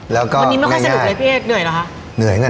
แล้วก็วันนี้ไม่ค่อยสนุกเลยพี่เอกเหนื่อยเหรอคะ